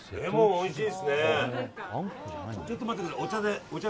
おいしい！